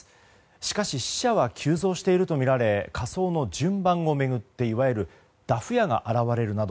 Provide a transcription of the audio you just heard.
しかし、死者は急増しているとみられ火葬の順番を巡っていわゆるダフ屋が現れるなど